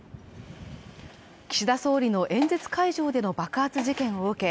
岸田総理の演説会場での爆発事件を受け